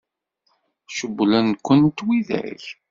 Cewwlen-kent widak?